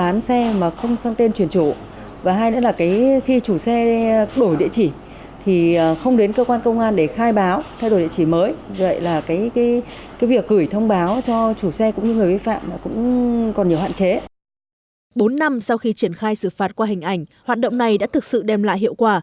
bốn năm sau khi triển khai xử phạt qua hình ảnh hoạt động này đã thực sự đem lại hiệu quả